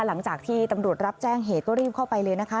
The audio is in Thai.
หลังจากที่ตำรวจรับแจ้งเหตุก็รีบเข้าไปเลยนะคะ